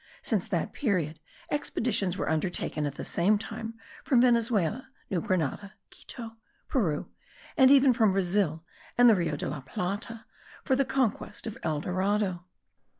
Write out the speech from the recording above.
Since that period expeditions were undertaken at the same time from Venezuela, New Grenada, Quito, Peru, and even from Brazil and the Rio de la Plata,* for the conquest of El Dorado.